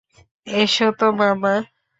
এসো তো, মামা।